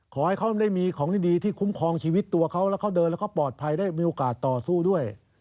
ขอให้เขาได้มีของดีที่คุ้มครองชีวิตตัวเขาแล้วเขาเดินแล้วก็ปลอดภัยได้มีโอกาสต่อสู้ด้วย